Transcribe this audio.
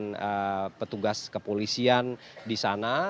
tidak ada petugas kepolisian di sana